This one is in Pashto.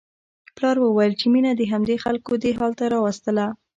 پلار وویل چې مينه همدې خلکو دې حال ته راوستله